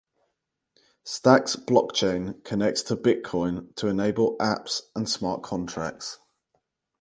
Stacks blockchain connects to Bitcoin to enable apps and smart contracts.